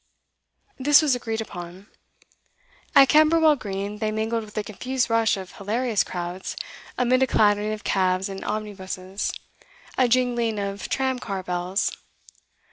This was agreed upon. At Camberwell Green they mingled with a confused rush of hilarious crowds, amid a clattering of cabs and omnibuses, a jingling of tram car bells.